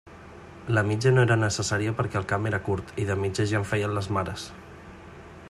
La mitja no era necessària perquè el camp era curt, i de mitja ja en feien les mares.